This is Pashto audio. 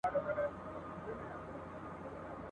د ښاغلي جهاني د یوه شعر په هکله یادونه او د شعر بشپړ متن: ..